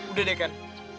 udah deh ken